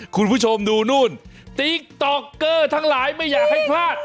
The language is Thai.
คุณผู้ชมดูนู่นติ๊กต๊อกเกอร์ทั้งหลายไม่อยากให้พลาด